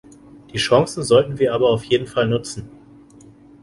Die Chancen sollten wir aber auf jeden Fall nutzen.